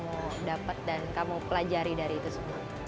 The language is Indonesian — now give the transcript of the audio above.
kamu dapat dan kamu pelajari dari itu semua